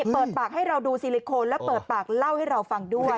เปิดปากให้เราดูซิลิโคนและเปิดปากเล่าให้เราฟังด้วย